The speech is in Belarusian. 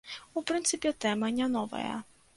У прынцыпе, тэма не новая.